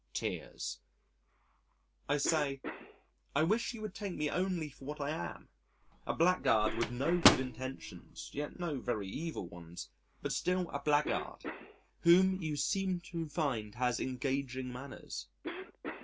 Tears. I say: "I wish you would take me only for what I am a blackguard with no good intentions, yet no very evil ones but still a blackguard, whom you seem to find has engaging manners."